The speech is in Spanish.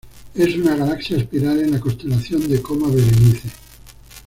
Es una galaxia espiral en la constelación de Coma Berenice.